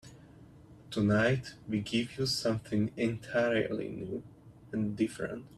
Tonight we give you something entirely new and different.